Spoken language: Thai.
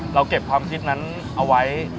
เราเก็บความคิดนั้นเอาไว้